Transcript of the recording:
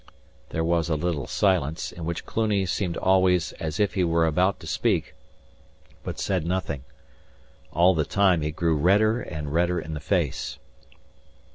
There was a little silence, in which Cluny seemed always as if he was about to speak, but said nothing. All the time he grew redder and redder in the face.